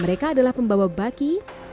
mereka adalah pembawa baki